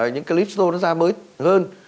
những crypto nó ra mới hơn